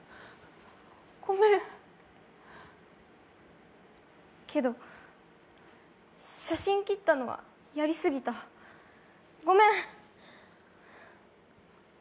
ごめんけど、写真切ったのはやりすぎた、ごめん！